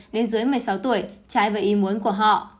đến dưới một mươi sáu tuổi trái với ý muốn của họ